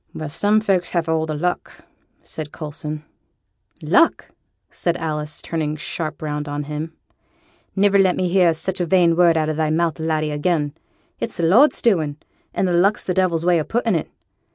'Well! some folks has the luck!' said Coulson. 'Luck!' said Alice, turning sharp round on him. 'Niver let me hear such a vain word out o' thy mouth, laddie, again. It's the Lord's doing, and luck's the devil's way o' putting it.